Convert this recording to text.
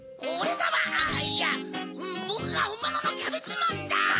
さまあいやぼくがほんもののキャベツマンだ！